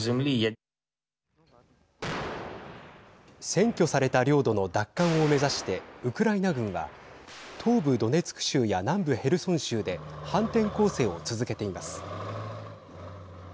占拠された領土の奪還を目指してウクライナ軍は東部ドネツク州や南部ヘルソン州で反転攻勢を続けています。